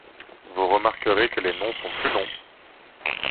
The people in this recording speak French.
Vous remarquerez que les noms sont plus longs.